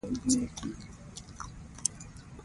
پیاله له چای پرته نیمګړې ده.